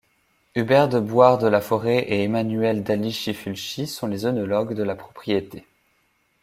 Hubert de Boüard de Laforest et Emmanuelle d’Aligny-Fulchi sont les œnologues de la propriété.